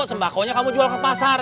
sembakonya kamu jual ke pasar